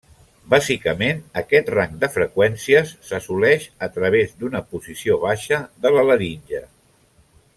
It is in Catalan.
Bàsicament aquest rang de freqüències s'assoleix a través d'una posició baixa de la laringe.